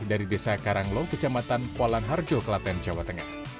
dari desa karanglo kecamatan polan harjo kelaten jawa tengah